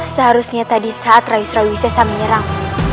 seharusnya tadi saat raden surawi sesa menyerang